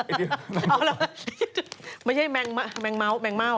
เอาล่ะไม่ใช่แมงเม้าแมงเม่า